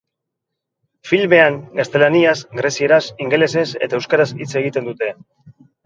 Filmean, gaztelaniaz, grezieraz, ingelesez eta euskaraz hitz egiten dute.